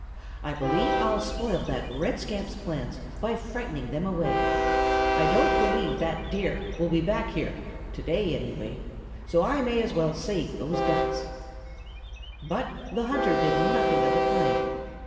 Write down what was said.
I believe I'll spoil that red scamp's plans by frightening them away. I don't believe that Deer will be back here to day anyway, so I may as well save those Ducks." But the hunter did nothing of the kind.